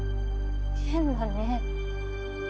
変だね。